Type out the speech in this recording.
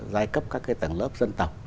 giai cấp các tầng lớp dân tộc